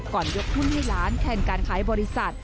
ยกทุนให้ล้านแทนการขายบริษัท